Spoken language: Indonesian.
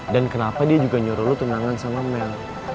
dan kenapa dia juga nyuruh lu tunangan sama mel